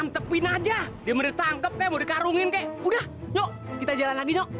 dia mau ditangkep kek mau di karungin kek udah yuk kita jalan lagi yuk